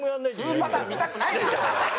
２パターン見たくないでしょ！